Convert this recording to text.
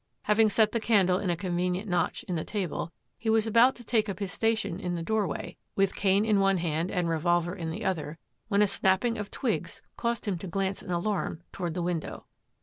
Having set the candle in a convenient notch in the table, he was about to take up his station in the doorway, with cane in one hand and revolver in the other, when a snapping of twigs caused him to glance in alarm toward the window.